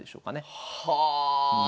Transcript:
はあ！